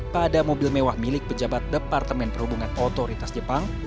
pada mobil mewah milik pejabat departemen perhubungan otoritas jepang